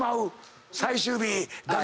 最終日だけ。